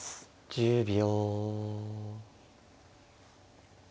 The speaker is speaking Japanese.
１０秒。